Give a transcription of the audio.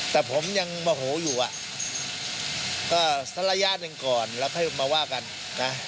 แต่ผมยังโมโหอยู่อ่ะก็สักระยะหนึ่งก่อนแล้วค่อยมาว่ากันนะ